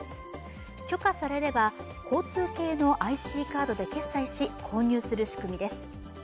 許可されれば、交通系のＩＣカードで決済し購入する仕組みです。